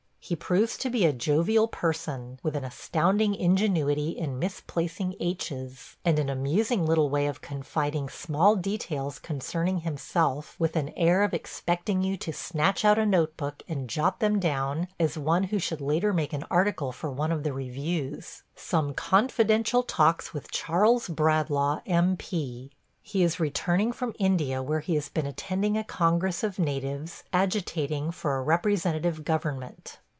He proves to be a jovial person, with an astounding ingenuity in misplacing h's, and an amusing little way of confiding small details concerning himself with an air of expecting you to snatch out a note book and jot them down as one who should later make an article for one of the reviews, "Some Confidential Talks with Charles Bradlaugh, M.P." He is returning from India, where he has been attending a congress of natives agitating for representative government.